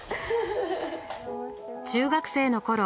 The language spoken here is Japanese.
中学生のころ